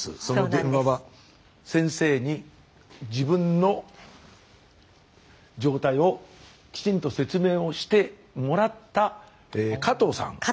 その電話は先生に自分の状態をきちんと説明をしてもらった加藤さん。